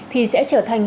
thì sẽ trở thành